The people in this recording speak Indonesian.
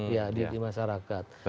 iya di masyarakat